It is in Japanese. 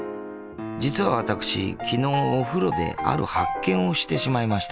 実は私昨日お風呂である発見をしてしまいました。